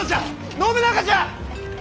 信長じゃ！